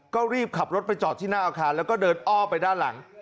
ก็รีบขับรถไปจอดที่หน้าอาคารแล้วก็เดินอ้อไปด้านหลัง